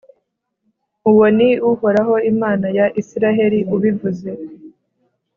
Uwo ni Uhoraho Imana ya Israheli ubivuze.